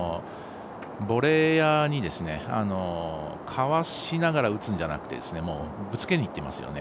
ボレーヤーにかわしながら打つんじゃなくてぶつけにいってますよね。